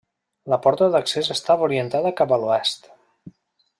La porta d'accés estava orientada cap a l'oest.